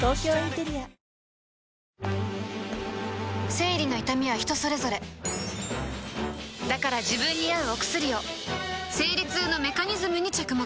生理の痛みは人それぞれだから自分に合うお薬を生理痛のメカニズムに着目